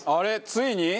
ついに？